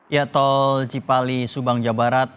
ya tol cipali subang jawa barat